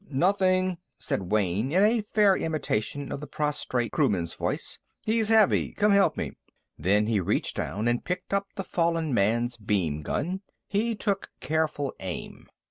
"Nothing," said Wayne, in a fair imitation of the prostrate crewman's voice. "He's heavy. Come help me." Then he reached down and picked up the fallen man's beam gun. He took careful aim.